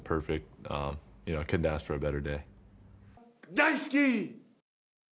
大好き！